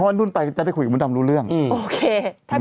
ว่านุ่นไปจะได้คุยกับมนุ่นทำรู้เรื่องอืมโอเคถ้า